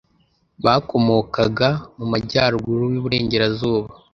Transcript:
bakomokaga mu majyaruguru y' uburengerazuba